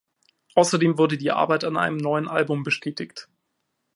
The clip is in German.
Außerdem wurde die Arbeit an einem neuen Album bestätigt.